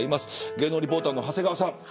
芸能リポーターの長谷川さん。